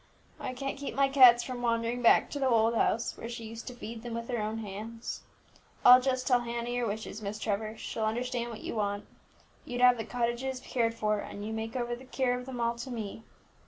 I can't keep my cats from wandering back to the old house, where she used to feed them with her own hands. I'll just tell Hannah your wishes, Miss Trevor, she'll understand what you want. You'd have the cottagers cared for, and you make over the care of them all to me."